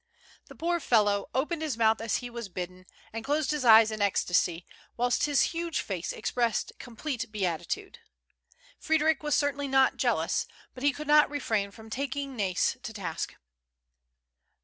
The poor fellow opened his mouth as he was bid den, and closed his eyes in ecstasy, whilst his huge face expressed complete beatitude. Frederic was certainly not jealous, but he could not refrain from taking Nais to task.